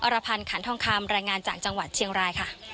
รพันธ์ขันทองคำรายงานจากจังหวัดเชียงรายค่ะ